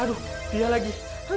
aduh dia lagi